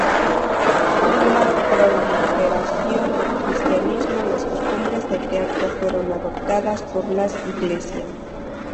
Con la proliferación del cristianismo, las costumbres del teatro fueron adoptadas por las iglesias.